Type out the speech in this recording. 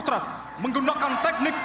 dan pengalaman warung